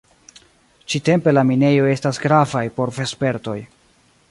Ĉi-tempe la minejoj estas gravaj por vespertoj.